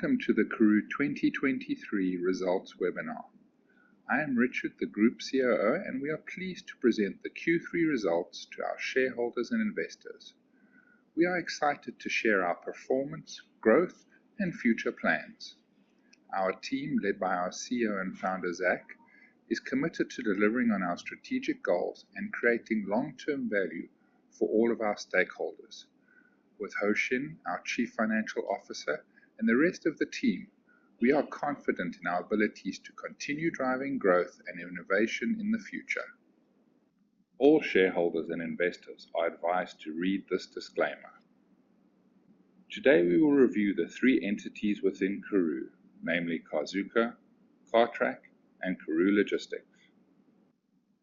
Welcome to the Karooooo 2023 results webinar. I am Richard, the Group COO, and we are pleased to present the Q3 results to our shareholders and investors. We are excited to share our performance, growth, and future plans. Our team, led by our CEO and founder, Zak, is committed to delivering on our strategic goals and creating long-term value for all of our stakeholders. With Hoshin, our Chief Financial Officer, and the rest of the team, we are confident in our abilities to continue driving growth and innovation in the future. All shareholders and investors are advised to read this disclaimer. Today, we will review the three entities within Karooooo, namely Carzuka, Cartrack, and Karooooo Logistics.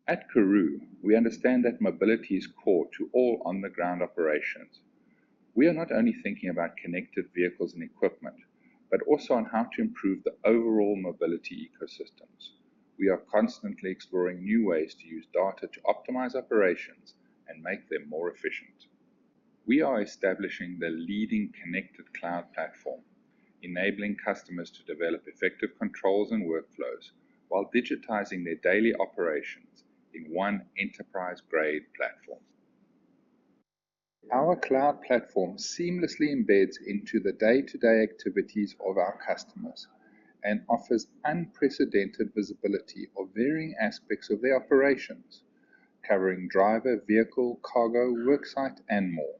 At Karooooo, we understand that mobility is core to all on-the-ground operations. We are not only thinking about connected vehicles and equipment, but also on how to improve the overall mobility ecosystems. We are constantly exploring new ways to use data to optimize operations and make them more efficient. We are establishing the leading connected cloud platform, enabling customers to develop effective controls and workflows while digitizing their daily operations in one enterprise-grade platform. Our cloud platform seamlessly embeds into the day-to-day activities of our customers and offers unprecedented visibility of varying aspects of their operations, covering driver, vehicle, cargo, work site, and more.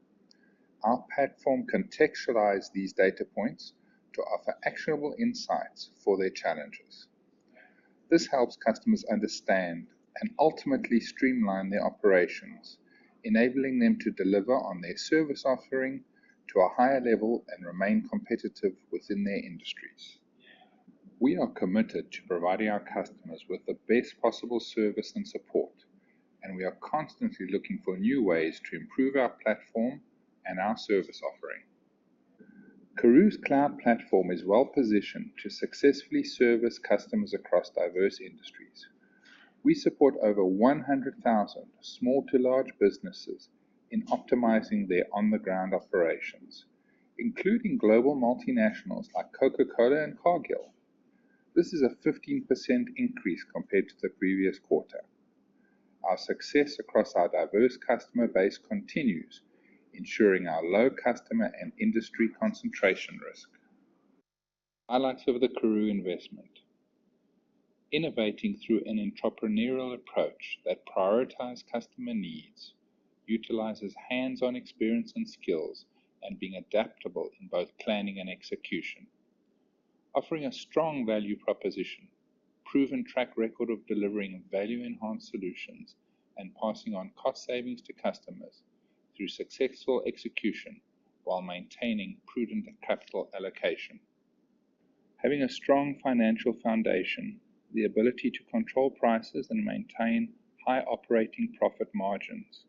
Our platform contextualize these data points to offer actionable insights for their challenges. This helps customers understand and ultimately streamline their operations, enabling them to deliver on their service offering to a higher level and remain competitive within their industries. We are committed to providing our customers with the best possible service and support, and we are constantly looking for new ways to improve our platform and our service offering. Karooooo's cloud platform is well-positioned to successfully service customers across diverse industries. We support over 100,000 small to large businesses in optimizing their on-the-ground operations, including global multinationals like Coca-Cola and Cargill. This is a 15% increase compared to the previous quarter. Our success across our diverse customer base continues, ensuring our low customer and industry concentration risk. Highlights of the Karooooo investment. Innovating through an entrepreneurial approach that prioritize customer needs, utilizes hands-on experience and skills, and being adaptable in both planning and execution. Offering a strong value proposition, proven track record of delivering value-enhanced solutions, and passing on cost savings to customers through successful execution while maintaining prudent capital allocation. Having a strong financial foundation, the ability to control prices and maintain high operating profit margins,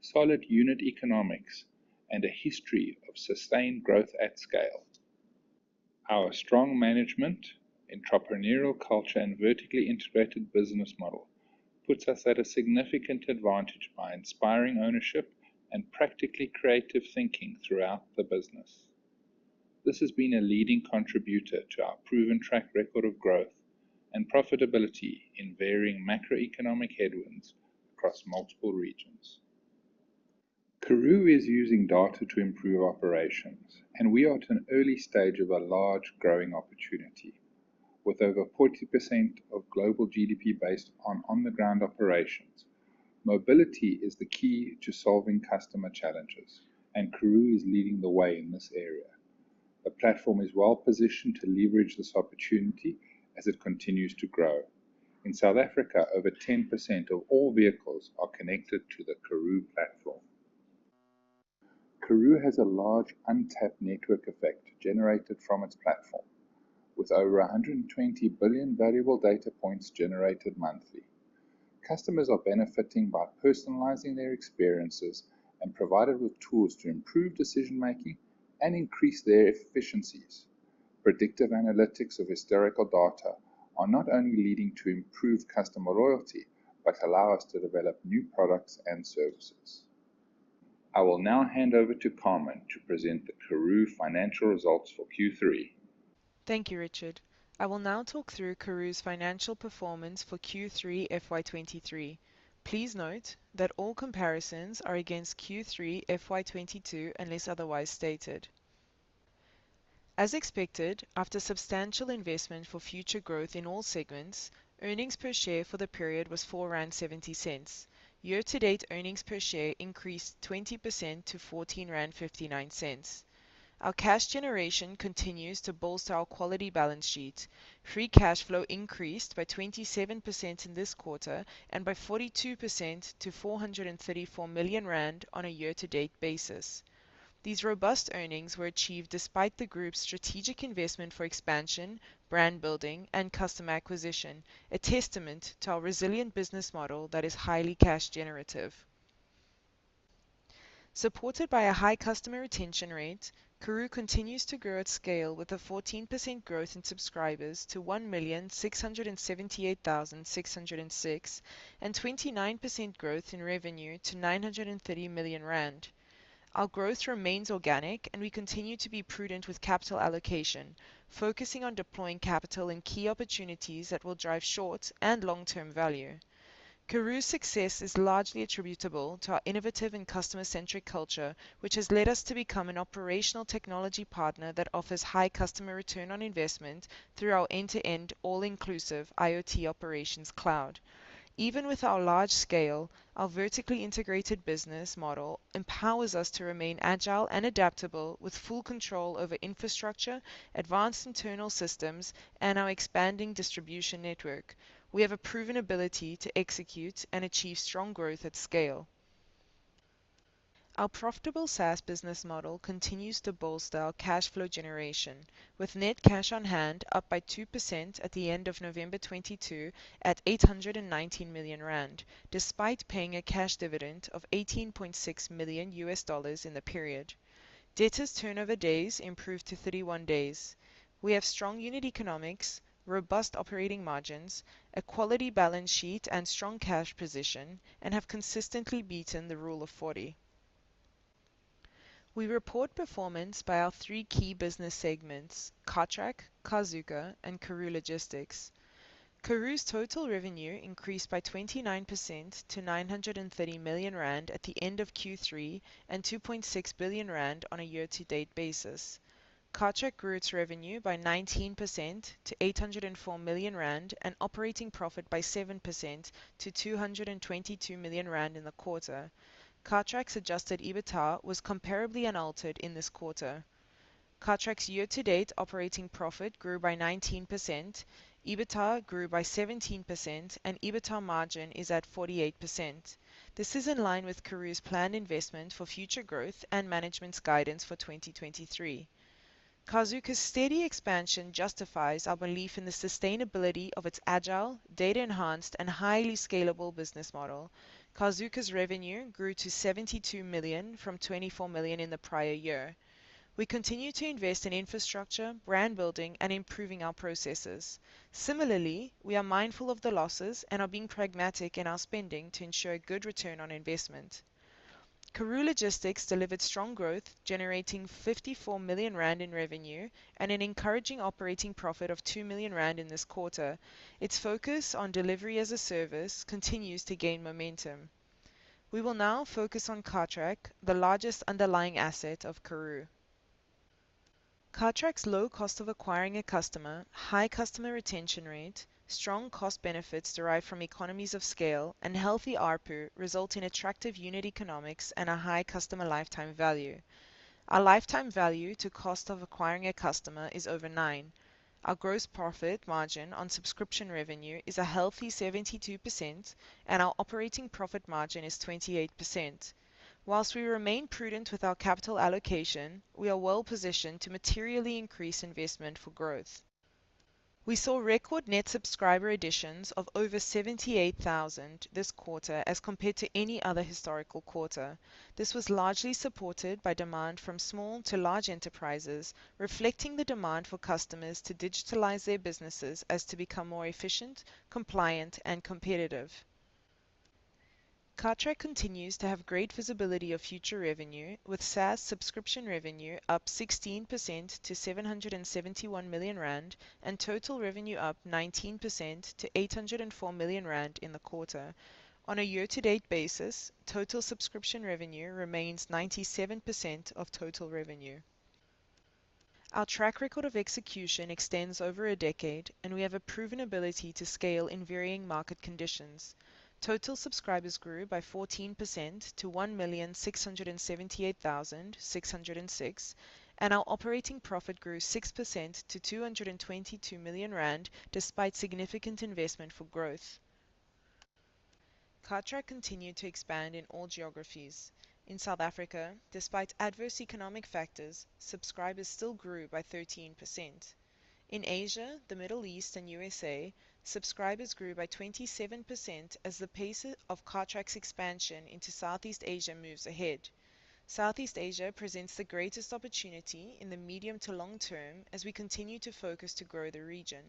solid unit economics, and a history of sustained growth at scale. Our strong management, entrepreneurial culture, and vertically integrated business model puts us at a significant advantage by inspiring ownership and practically creative thinking throughout the business. This has been a leading contributor to our proven track record of growth and profitability in varying macroeconomic headwinds across multiple regions. Karooooo is using data to improve operations, and we are at an early stage of a large growing opportunity. With over 40% of global GDP based on on-the-ground operations, mobility is the key to solving customer challenges, and Karooooo is leading the way in this area. The platform is well-positioned to leverage this opportunity as it continues to grow. In South Africa, over 10% of all vehicles are connected to the Karooooo platform. Karooooo has a large untapped network effect generated from its platform, with over 120 billion valuable data points generated monthly. Customers are benefiting by personalizing their experiences and provided with tools to improve decision-making and increase their efficiencies. Predictive analytics of historical data are not only leading to improved customer loyalty, but allow us to develop new products and services. I will now hand over to Carmen to present the Karooooo financial results for Q3. Thank you, Richard. I will now talk through Karooooo's financial performance for Q3 FY 2023. Please note that all comparisons are against Q3 FY 2022, unless otherwise stated. As expected, after substantial investment for future growth in all segments, earnings per share for the period was 4.70 rand. Year-to-date earnings per share increased 20% to 14.59 rand. Our cash generation continues to bolster our quality balance sheet. Free cash flow increased by 27% in this quarter and by 42% to 434 million rand on a year-to-date basis. These robust earnings were achieved despite the group's strategic investment for expansion, brand building, and customer acquisition, a testament to our resilient business model that is highly cash generative. Supported by a high customer retention rate, Karooooo continues to grow at scale with a 14% growth in subscribers to 1,678,606, and 29% growth in revenue to 930 million rand. Our growth remains organic. We continue to be prudent with capital allocation, focusing on deploying capital in key opportunities that will drive short and long-term value. Karooooo's success is largely attributable to our innovative and customer-centric culture, which has led us to become an operational technology partner that offers high customer return on investment through our end-to-end all-inclusive IoT operations cloud. Even with our large scale, our vertically integrated business model empowers us to remain agile and adaptable with full control over infrastructure, advanced internal systems, and our expanding distribution network. We have a proven ability to execute and achieve strong growth at scale. Our profitable SaaS business model continues to bolster our cash flow generation, with net cash on hand up by 2% at the end of November 2022 at 819 million rand, despite paying a cash dividend of $18.6 million in the period. Debtors' turnover days improved to 31 days. We have strong unit economics, robust operating margins, a quality balance sheet, and strong cash position, and have consistently beaten the Rule of 40. We report performance by our three key business segments, Cartrack, Carzuka, and Karooooo Logistics. Karooooo's total revenue increased by 29% to 930 million rand at the end of Q3 and 2.6 billion rand on a year-to-date basis. Cartrack grew its revenue by 19% to 804 million rand and operating profit by 7% to 222 million rand in the quarter. Cartrack's adjusted EBITDA was comparably unaltered in this quarter. Cartrack's year-to-date operating profit grew by 19%, EBITDA grew by 17%, and EBITDA margin is at 48%. This is in line with Karooooo's planned investment for future growth and management's guidance for 2023. Carzuka's steady expansion justifies our belief in the sustainability of its agile, data-enhanced, and highly scalable business model. Carzuka's revenue grew to 72 million from 24 million in the prior year. We continue to invest in infrastructure, brand building, and improving our processes. Similarly, we are mindful of the losses and are being pragmatic in our spending to ensure good return on investment. Karooooo Logistics delivered strong growth, generating 54 million rand in revenue and an encouraging operating profit of 2 million rand in this quarter. Its focus on Delivery as a Service continues to gain momentum. We will now focus on Cartrack, the largest underlying asset of Karooooo. Cartrack's low cost of acquiring a customer, high customer retention rate, strong cost benefits derived from economies of scale, and healthy ARPU result in attractive unit economics and a high customer lifetime value. Our lifetime value to cost of acquiring a customer is over 9. Our gross profit margin on subscription revenue is a healthy 72%, and our operating profit margin is 28%. Whilst we remain prudent with our capital allocation, we are well positioned to materially increase investment for growth. We saw record net subscriber additions of over 78,000 this quarter as compared to any other historical quarter. This was largely supported by demand from small to large enterprises, reflecting the demand for customers to digitalize their businesses as to become more efficient, compliant, and competitive. Cartrack continues to have great visibility of future revenue, with SaaS subscription revenue up 16% to 771 million rand and total revenue up 19% to 804 million rand in the quarter. On a year-to-date basis, total subscription revenue remains 97% of total revenue. Our track record of execution extends over a decade, and we have a proven ability to scale in varying market conditions. Total subscribers grew by 14% to 1,678,606, and our operating profit grew 6% to 222 million rand despite significant investment for growth. Cartrack continued to expand in all geographies. In South Africa, despite adverse economic factors, subscribers still grew by 13%. In Asia, the Middle East, and USA, subscribers grew by 27% as the pace of Cartrack's expansion into Southeast Asia moves ahead. Southeast Asia presents the greatest opportunity in the medium to long term as we continue to focus to grow the region.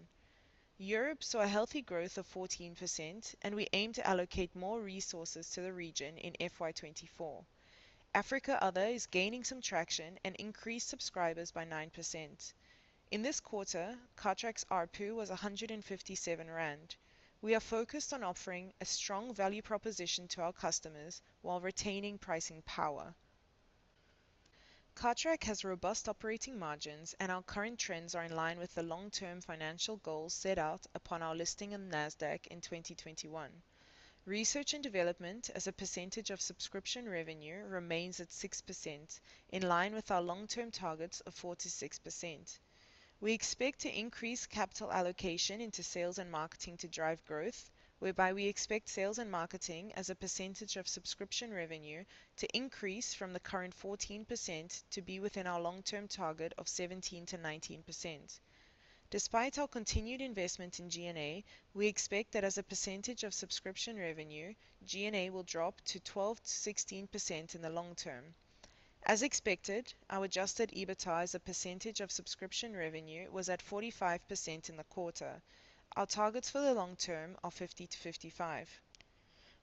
Europe saw a healthy growth of 14%, we aim to allocate more resources to the region in FY 2024. Africa Other is gaining some traction and increased subscribers by 9%. In this quarter, Cartrack's ARPU was 157 rand. We are focused on offering a strong value proposition to our customers while retaining pricing power. Cartrack has robust operating margins, our current trends are in line with the long-term financial goals set out upon our listing on NASDAQ in 2021. Research and development as a percentage of subscription revenue remains at 6%, in line with our long-term targets of 4%-6%. We expect to increase capital allocation into sales and marketing to drive growth, whereby we expect sales and marketing as a percentage of subscription revenue to increase from the current 14% to be within our long-term target of 17%-19%. Despite our continued investment in G&A, we expect that as a percentage of subscription revenue, G&A will drop to 12%-16% in the long term. As expected, our adjusted EBITDA as a percentage of subscription revenue was at 45% in the quarter. Our targets for the long term are 50%-55%.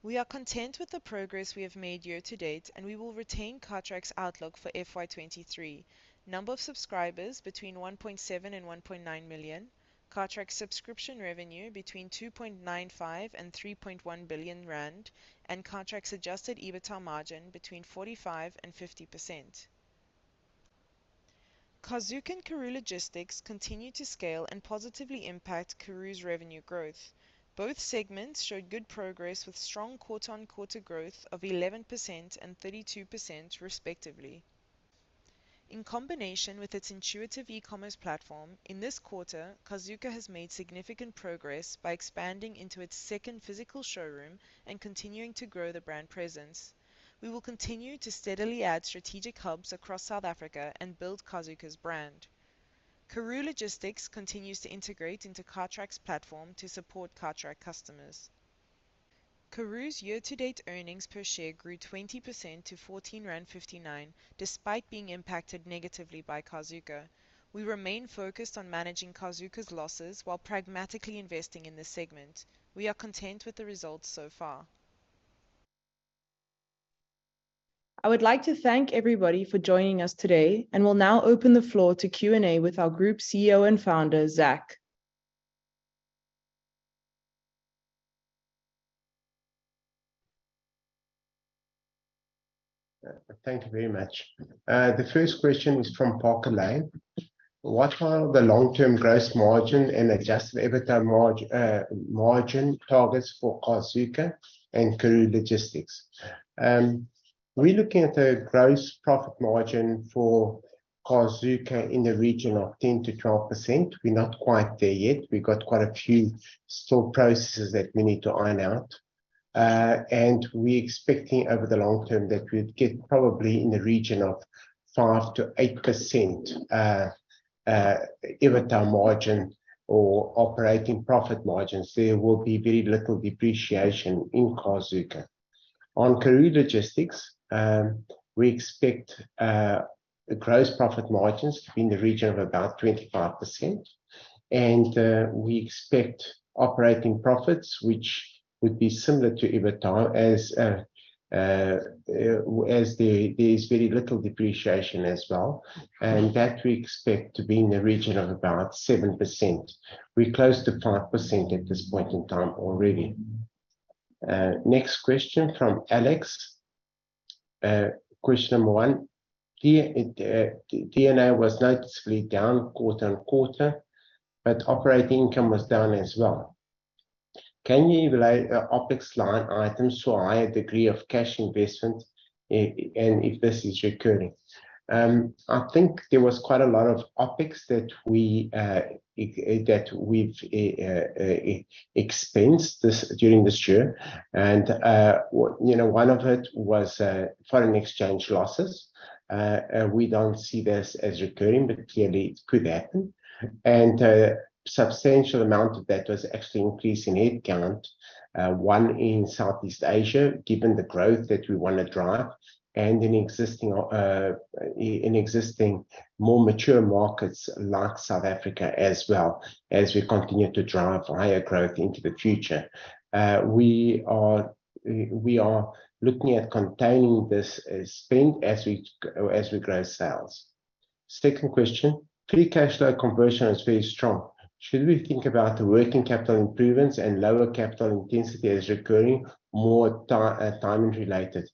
We are content with the progress we have made year-to-date, and we will retain Cartrack's outlook for FY23. Number of subscribers between 1.7 and 1.9 million. Cartrack subscription revenue between 2.95 billion and 3.1 billion rand, and Cartrack's adjusted EBITDA margin between 45% and 50%. Carzuka and Karooooo Logistics continue to scale and positively impact Karooooo's revenue growth. Both segments showed good progress with strong quarter-on-quarter growth of 11% and 32% respectively. In combination with its intuitive e-commerce platform, in this quarter, Carzuka has made significant progress by expanding into its second physical showroom and continuing to grow the brand presence. We will continue to steadily add strategic hubs across South Africa and build Carzuka's brand. Karooooo Logistics continues to integrate into Cartrack's platform to support Cartrack customers. Karooooo's year-to-date earnings per share grew 20% to 14.59, despite being impacted negatively by Carzuka. We remain focused on managing Carzuka's losses while pragmatically investing in this segment. We are content with the results so far. I would like to thank everybody for joining us today and will now open the floor to Q&A with our Group CEO and Founder, Zak. Thank you very much. The first question is from Parker Lane. What are the long-term gross margin and adjusted EBITDA margin targets for Carzuka and Karooooo Logistics? We're looking at a gross profit margin for Carzuka in the region of 10%-12%. We're not quite there yet. We've got quite a few store processes that we need to iron out. We're expecting over the long term that we'd get probably in the region of 5%-8% EBITDA margin or operating profit margins. There will be very little depreciation in Carzuka. On Karooooo Logistics, we expect the gross profit margins to be in the region of about 25%, and we expect operating profits, which would be similar to EBITDA as there is very little depreciation as well, and that we expect to be in the region of about 7%. We're close to 5% at this point in time already. Next question from Alex. Question number one, D&A was noticeably down quarter-on-quarter, operating income was down as well. Can you relate OpEx line items to a higher degree of cash investment and if this is recurring? I think there was quite a lot of OpEx that we expensed this during this year. You know, one of it was foreign exchange losses. We don't see this as recurring, but clearly it could happen. A substantial amount of that was actually increase in headcount, one in Southeast Asia, given the growth that we wanna drive, and in existing more mature markets like South Africa as well as we continue to drive higher growth into the future. We are looking at containing this spend as we grow sales. Second question, free cash flow conversion is very strong. Should we think about the working capital improvements and lower capital intensity as recurring more timing related?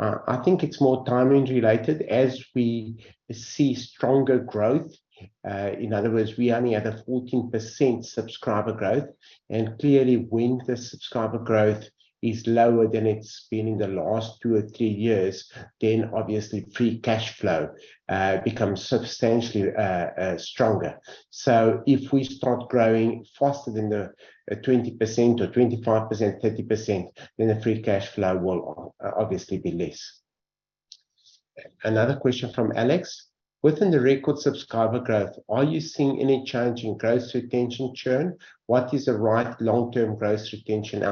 I think it's more timing related as we see stronger growth. In other words, we only had a 14% subscriber growth, clearly, when the subscriber growth is lower than it's been in the last two or three years, obviously free cash flow becomes substantially stronger. If we start growing faster than the 20% or 25%, 30%, the free cash flow will obviously be less. Another question from Alex. Within the record subscriber growth, are you seeing any change in growth retention churn? What is the right long-term growth retention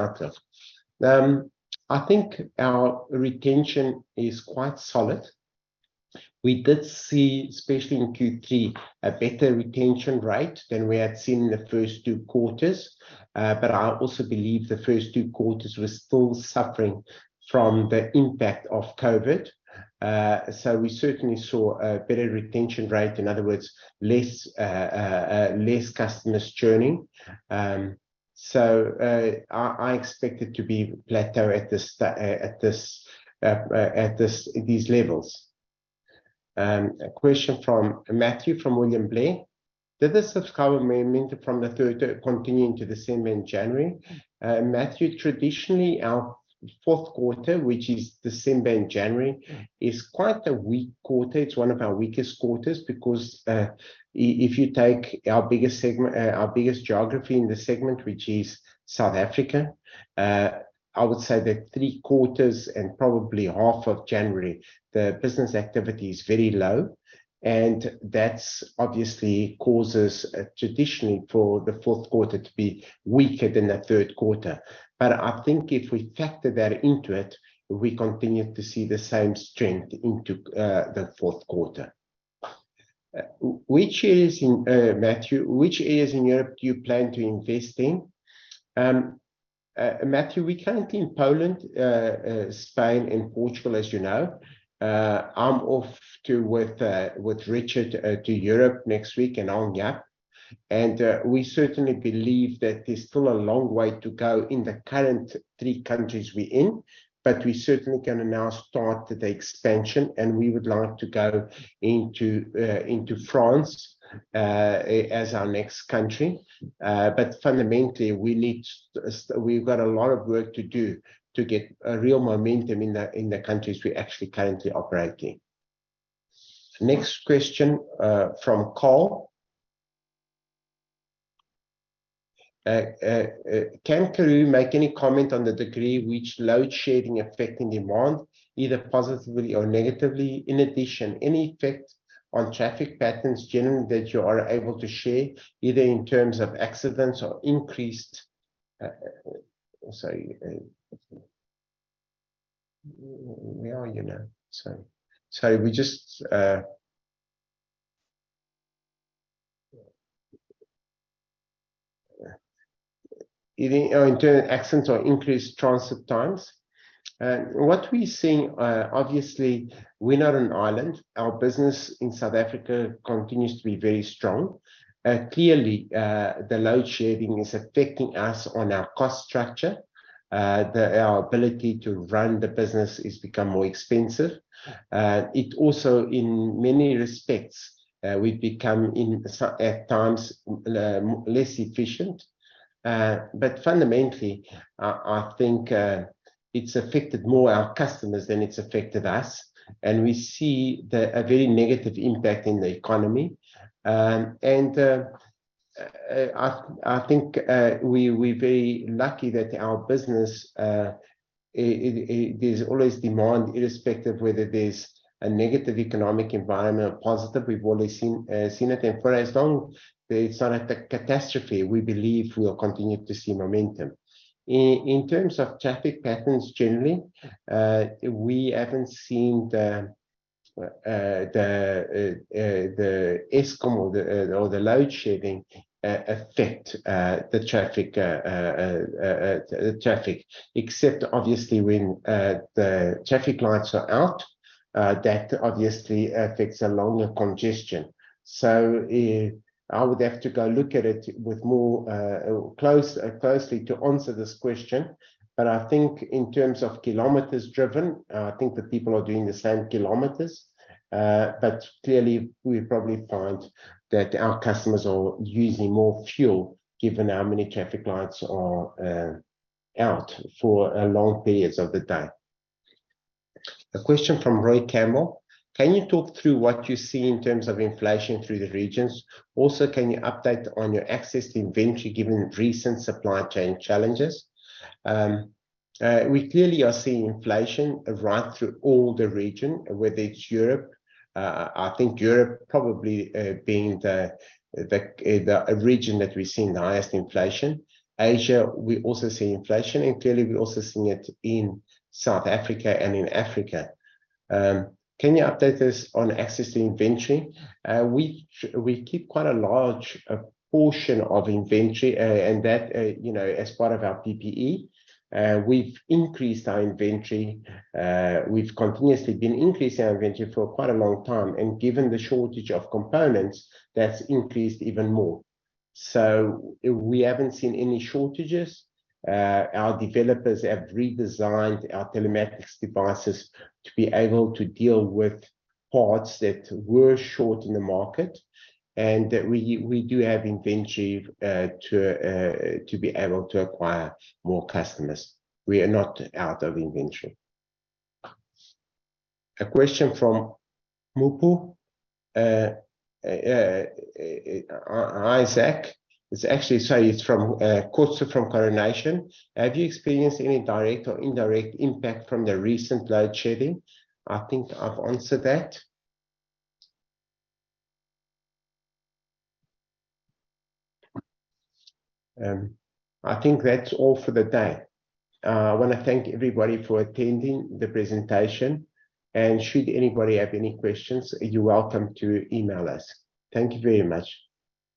outlook? I think our retention is quite solid. We did see, especially in Q3, a better retention rate than we had seen in the first two quarters. I also believe the first two quarters were still suffering from the impact of COVID. We certainly saw a better retention rate, in other words, less customers churning. I expect it to be plateau at these levels. A question from Matthew Pfau from William Blair. Did the subscriber momentum from the third quarter continue into December and January? Matthew, traditionally our fourth quarter, which is December and January, is quite a weak quarter. It's one of our weakest quarters because if you take our biggest segment, our biggest geography in the segment, which is South Africa, I would say that three quarters and probably half of January, the business activity is very low, and that's obviously causes traditionally for the fourth quarter to be weaker than the third quarter. I think if we factor that into it, we continue to see the same strength into the fourth quarter. Which areas in Matthew, which areas in Europe do you plan to invest in? Matthew, we currently in Poland, Spain and Portugal, as you know. I'm off to, with Richard, to Europe next week, and Anja. We certainly believe that there's still a long way to go in the current three countries we're in. We certainly gonna now start the expansion, and we would like to go into France, as our next country. Fundamentally we've got a lot of work to do to get a real momentum in the countries we're actually currently operating. Next question from Carl. Can Karooooo make any comment on the degree which load shedding affecting demand either positively or negatively? Any effect on traffic patterns generally that you are able to share, either in terms of accidents or increased transit times. What we're seeing, obviously we're not an island. Our business in South Africa continues to be very strong. Clearly, the load shedding is affecting us on our cost structure. Our ability to run the business is become more expensive. It also, in many respects, at times, less efficient. Fundamentally, I think, it's affected more our customers than it's affected us. We see a very negative impact in the economy. I think, we're very lucky that our business, it, there's always demand, irrespective whether there's a negative economic environment or positive. We've already seen it. For as long it's not a catastrophe, we believe we will continue to see momentum. In terms of traffic patterns, generally, we haven't seen the Eskom or the load shedding affect the traffic. Except obviously when the traffic lights are out, that obviously affects a longer congestion. I would have to go look at it with more closely to answer this question. I think in terms of kilometers driven, I think the people are doing the same kilometers. Clearly we probably find that our customers are using more fuel given how many traffic lights are out for long periods of the day. A question from Roy Campbell: Can you talk through what you see in terms of inflation through the regions? Can you update on your access to inventory given recent supply chain challenges? We clearly are seeing inflation right through all the region, whether it's Europe, I think Europe probably being the region that we're seeing the highest inflation. Asia, we also see inflation, and clearly we're also seeing it in South Africa and in Africa. Can you update us on access to inventory? We keep quite a large portion of inventory, and that, you know, as part of our PPE. We've increased our inventory. We've continuously been increasing our inventory for quite a long time, and given the shortage of components, that's increased even more. We haven't seen any shortages. Our developers have redesigned our telematics devices to be able to deal with parts that were short in the market. We do have inventory to be able to acquire more customers. We are not out of inventory. A question from Mopelo Isaac. It's actually, sorry, it's from Costa from Coronation. Have you experienced any direct or indirect impact from the recent load shedding? I think I've answered that. I think that's all for the day. I wanna thank everybody for attending the presentation, and should anybody have any questions, you're welcome to email us. Thank you very much.